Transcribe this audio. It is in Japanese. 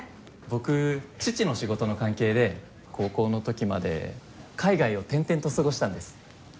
僕父の仕事の関係で高校の時まで海外を転々と過ごしたんです。